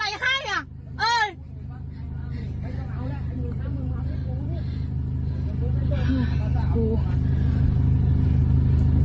ตายพอจบแค่นี้